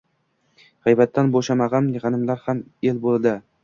G‘iybatdan bo‘shamagan g‘animlar ham el bo‘ldi.